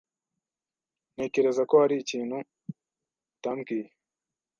Ntekereza ko hari ikintu utambwiye.